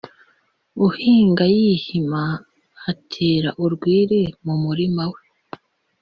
Uhinga yihima atera urwiri mu murima we